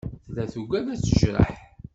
Tella tugad ad t-tejreḥ.